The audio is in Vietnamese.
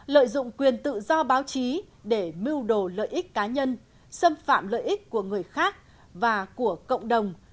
lợi dụng quyền tự do báo chí để mưu đồ lợi ích cá nhân xâm phạm lợi ích của người khác và của cộng đồng